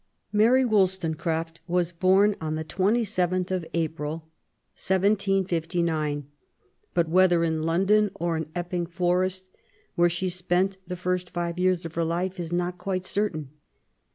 Mabt Wollstonecraft was bom on the 27th of April, 1759, but whether in London or in Epping Forest, where she spent the first five years of her life, is not quite certain.